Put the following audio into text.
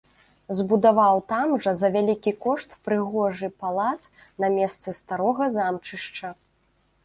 Збудаваў там жа за вялікі кошт прыгожы палац на месцы старога замчышча.